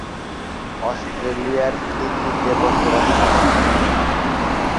অস্ট্রেলিয়ার সিডনিতে বসবাস করেন।